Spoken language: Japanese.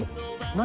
何？